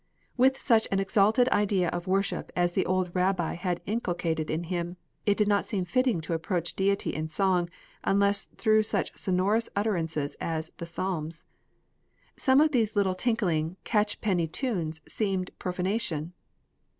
With such an exalted idea of worship as the old rabbi had inculcated in him, it did not seem fitting to approach Deity in song unless through such sonorous utterances as the psalms. Some of these little tinkling, catch penny tunes seemed profanation.